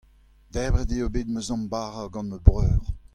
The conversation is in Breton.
debret eo bet ma zamm bara gant ma breur.